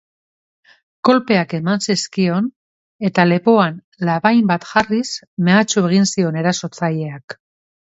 Kolpeak eman zizkion eta lepoan labain bat jarriz mehatxu egin zion erasotzaileak.